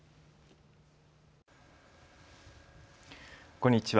こんにちは。